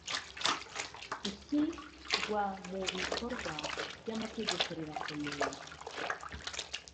Ishyirwamubikorwa ryamategeko rirakomeye.